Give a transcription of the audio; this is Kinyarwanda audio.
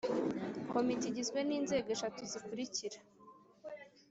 Komite igizwe n Inzego eshatu zikurikira